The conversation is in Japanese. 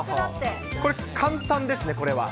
これ、簡単ですね、これは。